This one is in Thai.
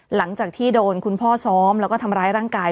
หลังจากที่โดนคุณพ่อซ้อมแล้วก็ทำร้ายร่างกาย